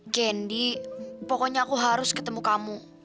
gendi pokoknya aku harus ketemu kamu